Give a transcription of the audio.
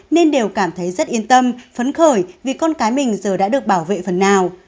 nên đều cảm thấy rất yên tâm phấn khởi vì con cái mình giờ đã được bảo vệ phần nào